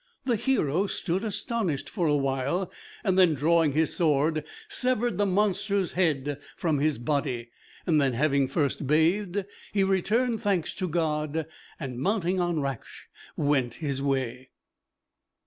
The hero stood astonished for a while; then, drawing his sword, severed the monster's head from his body. Then, having first bathed, he returned thanks to God, and mounting on Raksh, went his way.